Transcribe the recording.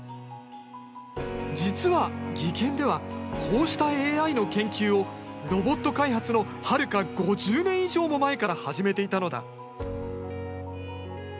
実は技研ではこうしたＡＩの研究をロボット開発のはるか５０年以上も前から始めていたのだ。